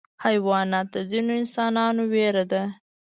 حیوانات د ځینو انسانانو ویره ده.